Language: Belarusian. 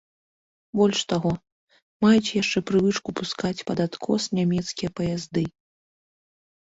Больш таго, маюць яшчэ прывычку пускаць пад адкос нямецкія паязды.